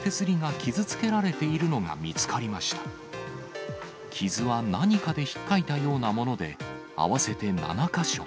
傷は何かでひっかいたようなもので、合わせて７か所。